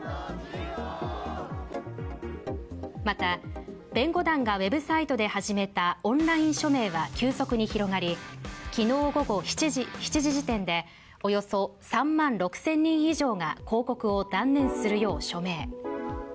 また弁護団がウェブサイトで始めたオンライン署名は急速に広がり、昨日午後７時時点でおよそ３万６０００人以上が抗告を断念するよう署名。